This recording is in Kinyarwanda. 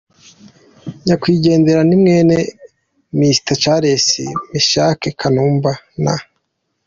Nyakwigendera ni mwene Mr Charles Meshack Kanumba na.